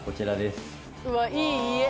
うわっいい家。